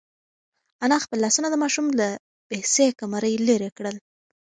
انا خپل لاسونه د ماشوم له بې سېکه مرۍ لرې کړل.